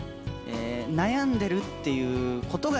悩んでるっていうことが